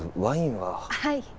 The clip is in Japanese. はい。